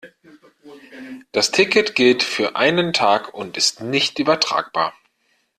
Das Ticket gilt für einen Tag und ist nicht übertragbar.